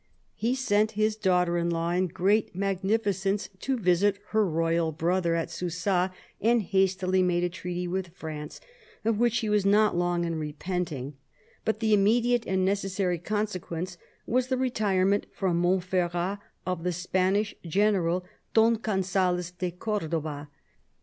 He sent his daughter in law in great magnificence to visit her royal brother at Susa, and hastily made a treaty with France, of which he was not long in repenting; but the immediate and necessary consequence was the retirement from Montferrat of the Spanish general, Don Gonzalez de Cordova.